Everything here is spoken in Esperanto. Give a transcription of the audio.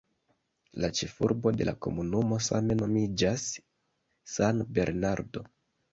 La ĉefurbo de la komunumo same nomiĝas "San Bernardo".